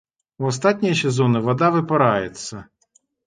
У астатнія сезоны вада выпараецца.